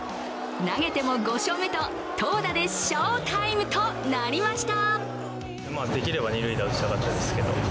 投げても５勝目と、投打で翔タイムとなりました。